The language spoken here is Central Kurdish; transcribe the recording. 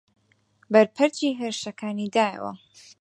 بەرپەرچی هێرشەکانی دایەوە